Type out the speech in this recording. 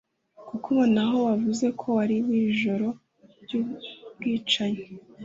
kukubona aho wavuze ko wari mwijoro ryubwicanyi